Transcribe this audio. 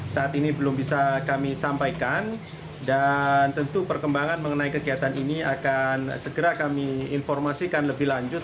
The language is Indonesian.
saat ini belum bisa kami sampaikan dan tentu perkembangan mengenai kegiatan ini akan segera kami informasikan lebih lanjut